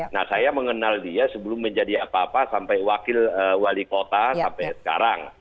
nah saya mengenal dia sebelum menjadi apa apa sampai wakil wali kota sampai sekarang